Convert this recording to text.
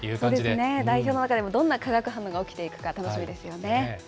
本当ですね、代表の中でもどんな化学反応が起きていくか、楽しみですよね。